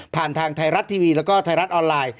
ผ่านทางไทรัตร์ทีวีและก็ไทรัตร์ออนไลน์